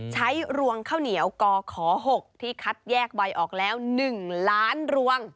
รวงข้าวเหนียวกข๖ที่คัดแยกใบออกแล้ว๑ล้านรวง